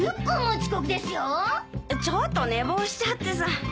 ちょっと寝坊しちゃってさ。